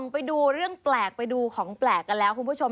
ไปดูเรื่องแปลกไปดูของแปลกกันแล้วคุณผู้ชม